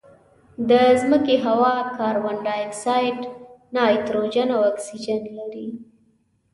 د مځکې هوا کاربن ډای اکسایډ، نایتروجن او اکسیجن لري.